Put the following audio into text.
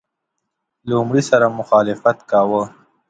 لومړي سره مخالفت کاوه.